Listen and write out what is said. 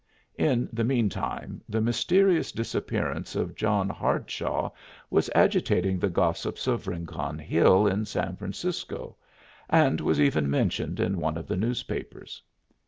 In the mean time the mysterious disappearance of John Hardshaw was agitating the gossips of Rincon Hill in San Francisco, and was even mentioned in one of the newspapers.